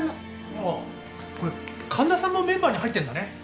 ああこれ神田さんもメンバーに入ってんだね。